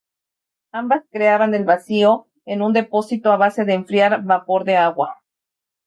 Ambas creaban el vacío en un depósito a base de enfriar vapor de agua.